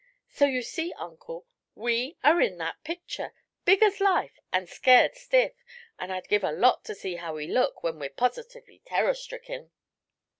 So you see, Uncle, we are in that picture big as life and scared stiff and I'd give a lot to see how we look when we're positively terror stricken."